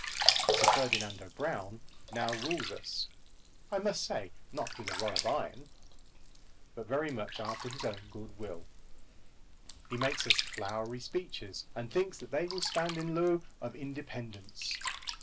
Sir Ferdinando Brown now rules us, I must say, not with a rod of iron, but very much after his own good will. He makes us flowery speeches, and thinks that they will stand in lieu of independence.